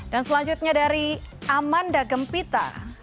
dan selanjutnya dari amanda gempita